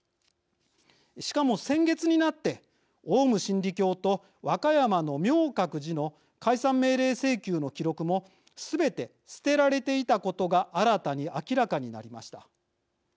しかも、先月になってオウム真理教と和歌山の明覚寺の解散命令請求の記録もすべて捨てられていたことが新たに明らかになりました。